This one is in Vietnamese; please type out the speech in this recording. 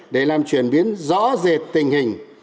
để làm chuyển biến rõ rệt tình hình